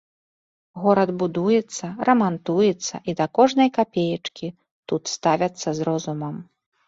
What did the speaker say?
Горад будуецца, рамантуецца і да кожнай капеечкі тут ставяцца з розумам.